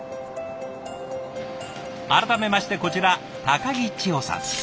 改めましてこちら木千歩さん。